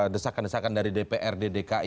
desakan desakan dari dprd dki